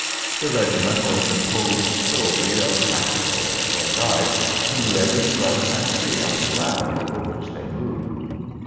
The regiment was composed solely of practicos, or guides, who knew every shrub and tree on the ground over which they moved.